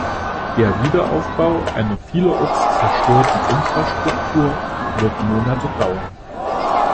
Der Wiederaufbau einer vielerorts zerstörten Infrastruktur wird Monate dauern.